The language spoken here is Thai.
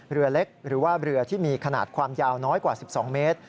เรือเล็กหรือว่าเรือที่มีขนาดความยาวน้อยกว่า๑๒เมตร